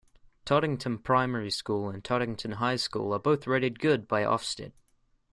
Tottington Primary School and Tottington High School are both rated good by Ofsted.